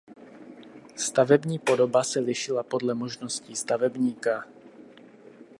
Stavební podoba se lišila podle možností stavebníka.